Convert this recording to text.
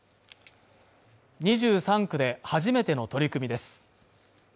２３区で初めての取り組みです。